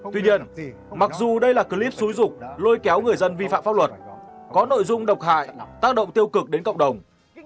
tuy nhiên mặc dù đây là clip xúi dục lôi kéo người dân vi phạm pháp luật có nội dung độc hại tác động tiêu cực đến cộng đồng